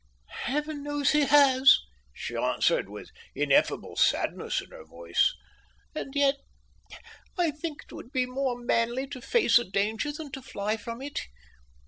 "Heaven knows he has!" she answered, with ineffable sadness in her voice, "and yet I think it would be more manly to face a danger than to fly from it.